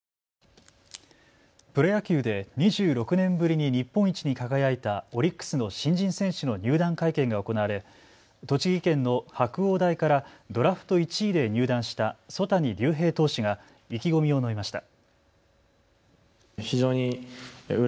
プロ野球で２６年ぶりに日本一に輝いたオリックスの新人選手の入団会見が行われ栃木県の白鴎大からドラフト１位で入団した曽谷龍平投手が意気込みを述べました。